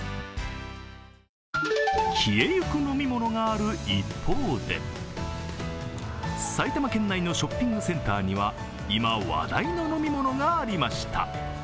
消え行く飲み物がある一方で、埼玉県内のショッピングセンターには、今、話題の飲み物がありました。